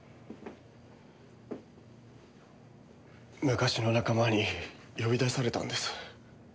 昔の仲間に呼び出されたんです。